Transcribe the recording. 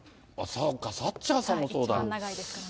そうか、サッチャーさんもそうか。